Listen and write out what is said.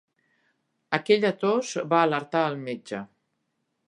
Aquella tos va alertar el metge.